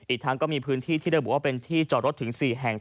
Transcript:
อีกทั้งก็มีพื้นที่ที่ระบุว่าเป็นที่จอดรถถึง๔แห่ง